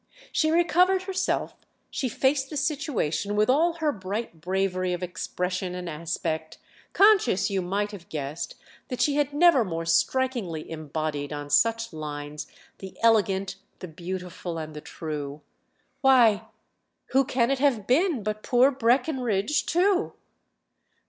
She recovered herself, she faced the situation with all her bright bravery of expression and aspect; conscious, you might have guessed, that she had never more strikingly embodied, on such lines, the elegant, the beautiful and the true. "Why, who can it have been but poor Breckenridge too?"